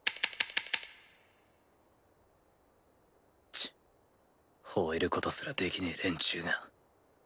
チッほえることすらできねえ連中が。